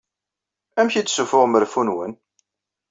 Amek i d-ssufuɣem reffu-nwen?